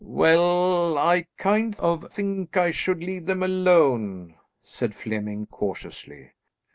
"Well, I kind of think I should leave them alone," said Flemming cautiously.